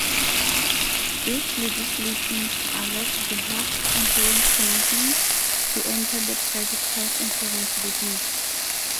This legislation allowed the Health Insurance Commission to enter the private health insurance business.